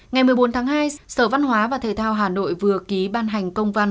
ngày một mươi bốn tháng hai sở văn hóa và thể thao hà nội vừa ký ban hành công văn